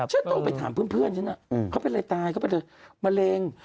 ฉันต้องไปถามเพื่อนฉันน่ะเขาไปเลยตายเขาไปเลยมะเร็ง